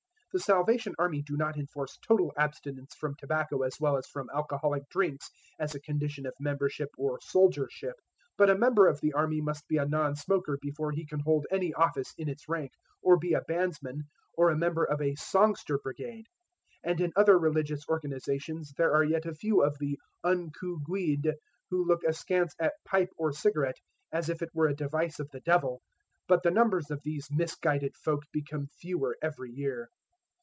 The Salvation Army do not enforce total abstinence from tobacco as well as from alcoholic drinks as a condition of membership or soldiership, but a member of the Army must be a non smoker before he can hold any office in its rank, or be a bandsman, or a member of a "songster brigade." And in other religious organizations there are yet a few of the "unco' guid" who look askance at pipe or cigarette as if it were a device of the devil. But the numbers of these misguided folk become fewer every year.